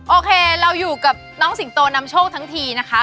โอเคเราอยู่กับน้องสิงโตนำโชคทั้งทีนะคะ